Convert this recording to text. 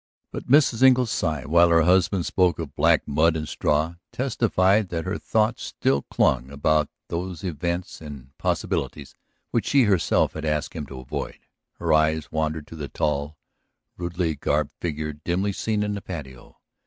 But Mrs. Engle's sigh, while her husband spoke of black mud and straw, testified that her thoughts still clung about those events and possibilities which she herself had asked him to avoid; her eyes wandered to the tall, rudely garbed figure dimly seen in the patio.